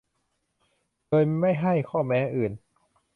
โดยไม่ให้ข้อแม้อื่น